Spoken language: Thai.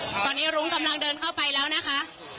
ตอนนี้รุ้งกำลังเดินเข้าไปแล้วนะคะ